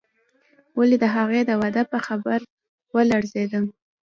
ولې د هغې د واده په خبر ولړزېدم.